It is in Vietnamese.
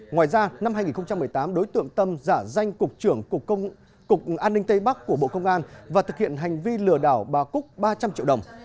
ngoài ra năm hai nghìn một mươi tám đối tượng tâm giả danh cục trưởng cục an ninh tây bắc của bộ công an và thực hiện hành vi lừa đảo bà cúc ba trăm linh triệu đồng